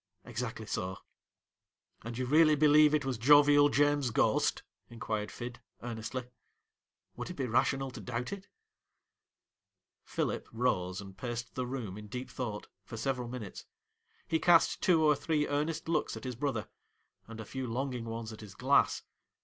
' Exactly so.' 'And you really believe it was Jovial James's ghost,' inquired Fid, earnestly. ' Would it be rational to doubt it 1 ' Philip rose and paced the room in deep thought for several minutes. He cast two or three earnest looks at his brother, and a few longing ones at his glass.